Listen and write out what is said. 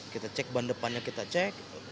kita cek ban depannya kita cek